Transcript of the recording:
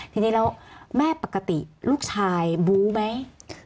ทีนี้แล้วแม่ปกติลูกชายบู๊ไหม